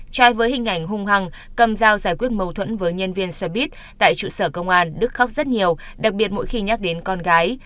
trai với hình ảnh hung hằng cầm dao giải quyết mâu thuẫn với nhân viên xe buýt tại trụ sở công an đức khóc rất nhiều đặc biệt mỗi khi nhắc đến con gái